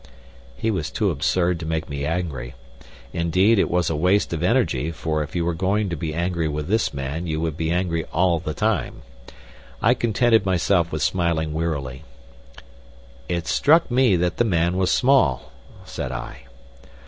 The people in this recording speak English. He was too absurd to make me angry. Indeed, it was a waste of energy, for if you were going to be angry with this man you would be angry all the time. I contented myself with smiling wearily. "It struck me that the man was small," said I.